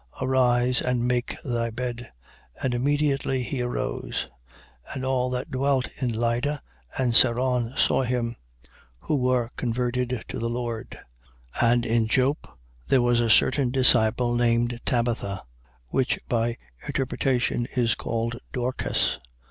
Arise and make thy bed. And immediately he arose. 9:35. And all that dwelt at Lydda and Saron saw him: who were converted to the Lord. 9:36. And in Joppe there was a certain disciple named Tabitha, which by interpretation is called Dorcas.